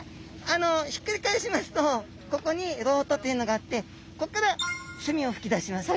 あのひっくり返しますとここに漏斗というのがあってこっからすみをふき出します。